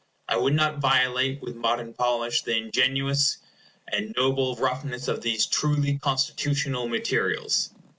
I would not violate with modern polish the ingenuous and noble roughness of these truly Constitutional materials.